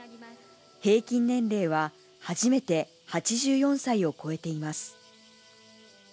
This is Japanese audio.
平均年齢は初めて８４歳を超えています。